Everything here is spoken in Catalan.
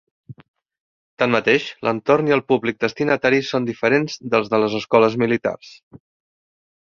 Tanmateix, l'entorn i el públic destinatari són diferents dels de les escoles militars.